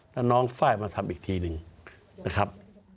แล้วน้องไฟล์มาทำอีกทีหนึ่งนะครับ